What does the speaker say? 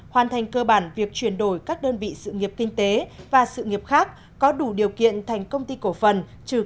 hoàn thành cơ bản việc chuyển đổi các đơn vị sự nghiệp kinh tế và sự nghiệp khác có đủ điều kiện thành công ty cổ phần